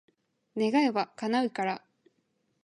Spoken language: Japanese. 願えば、叶うから。